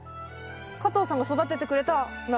加藤さんが育ててくれた苗。